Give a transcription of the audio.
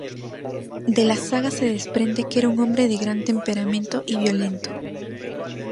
De las sagas se desprende que era un hombre de gran temperamento y violento.